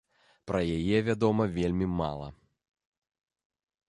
Пра яе вядома вельмі мала.